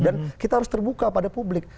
dan kita harus terbuka pada publik